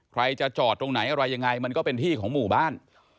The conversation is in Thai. ใครจะจอดตรงไหนอะไรยังไงมันก็เป็นที่ของหมู่บ้าน